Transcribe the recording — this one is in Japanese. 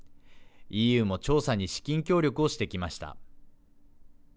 ＥＵも調査に資金協力をしてきました。